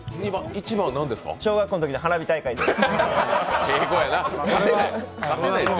１番は小学校のときの花火大会です。